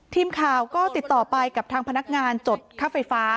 ทีมข่าวก็ติดต่อไปกับทางพนักงานจดค่าไฟฟ้า